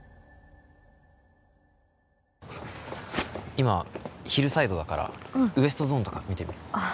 今ヒルサイドだからウエストゾーンとか見てみる？